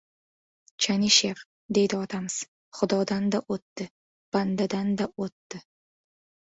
— Chanishev! — deydi otamiz. — Xudodan-da o‘tdi, bandadan-da o‘tdi.